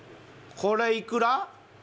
これいくら？